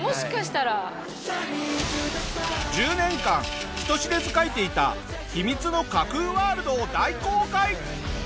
１０年間人知れず描いていた秘密の架空ワールドを大公開！